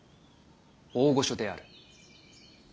大御所である。